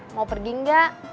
mau pergi enggak